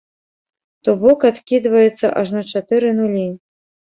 То бок адкідваецца ажно чатыры нулі!